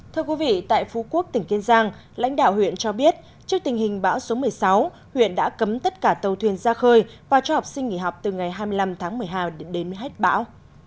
thưa quý vị tại phú quốc tỉnh kiên giang lãnh đạo huyện cho biết trước tình hình bão số một mươi sáu huyện đã cấm tất cả tàu thuyền ra khơi và cho học sinh nghỉ học từ ngày hai mươi năm tháng một mươi hai đến hết bão